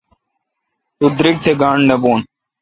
تو درگ تھ گاݨڈ نہ بھو۔